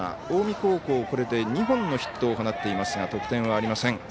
近江高校、２本のヒットを放っていますが得点はありません。